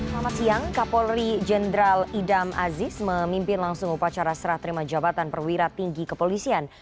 selamat siang kapolri jenderal idam aziz memimpin langsung upacara serah terima jabatan perwira tinggi kepolisian